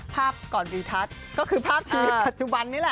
ภาพก่อนรีทัศน์ก็คือภาพชีวิตปัจจุบันนี่แหละ